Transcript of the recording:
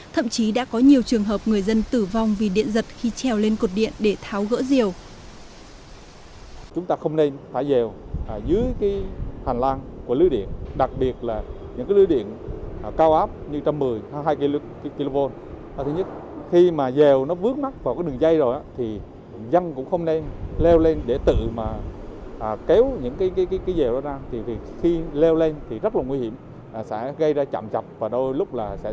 thậm chí đã có nhiều trường hợp người dân tử vong vì điện giật khi trèo lên cột điện để tháo gỡ rìu